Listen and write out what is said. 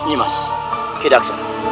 nimas tidak akan